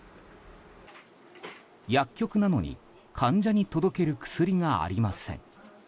薬局なのに患者に届ける薬がありません。